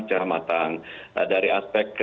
secara matang dari aspek